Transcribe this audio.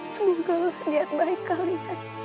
semoga wadiat baik kalian